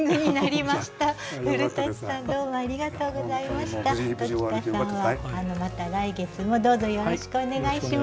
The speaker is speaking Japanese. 鴇田さんはまた来月もどうぞよろしくお願いします。